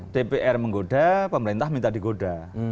dpr menggoda pemerintah minta digoda